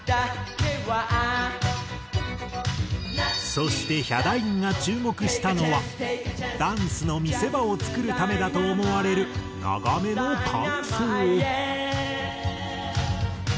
そしてヒャダインが注目したのはダンスの見せ場を作るためだと思われる長めの間奏。